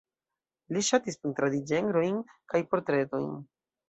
Li ŝatis pentradi ĝenrojn kaj portretojn.